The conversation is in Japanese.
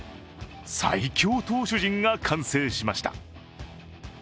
最強投手陣が完成しました。